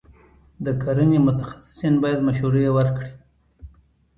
د کرنې متخصصین باید مشورې ورکړي.